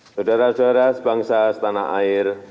saudara saudara sebangsa setanah air